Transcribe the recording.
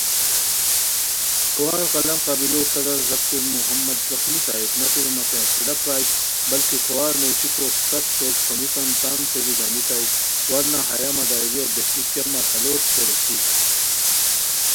کھوار قلم قبیلو صدر ذاکر محمد زخمیؔ صاحب نہ صرف متے حوصلہ پرائے بلکہ کھوار نیویشیکو سف سور ݯھومیکان تان سوری گانیتائے ورنہ ہیہ مہ ڈائریہ بہچی کیہ مرحلوت توریسیر